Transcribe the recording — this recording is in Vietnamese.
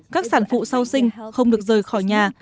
các sản phụ sau sinh không được rời khỏi nhà